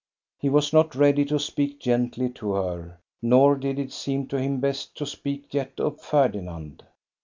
" He was not ready to speak gently to her, nor did it seem to him best to speak yet of Ferdinand.